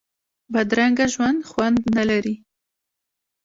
بدرنګه ژوند خوند نه لري